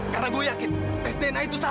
karena lo tau kan hasilnya